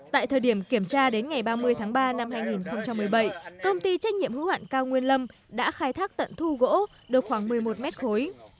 tại thời điểm kiểm tra đến ngày ba mươi tháng ba năm hai nghìn một mươi bảy công ty trách nhiệm hữu hạn cao nguyên lâm đã khai thác tận thu gỗ được khoảng một mươi một mét khối